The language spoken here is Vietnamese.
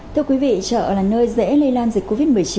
thưa quý vị chợ là nơi dễ lây lan dịch covid một mươi chín